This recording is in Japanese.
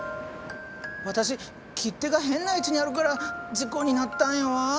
私切手が変な位置にあるから事故になったんやわ！